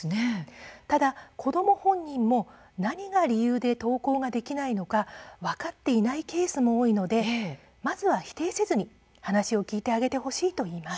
ただ、子ども本人も何が理由で登校ができないのか分かっていないケースが多いのでまずは、否定せずに話を聞いてあげてほしいといいます。